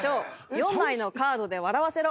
４枚のカードで笑わせろ！